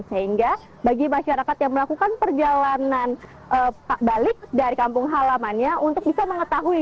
sehingga bagi masyarakat yang melakukan perjalanan balik dari kampung halamannya untuk bisa mengetahui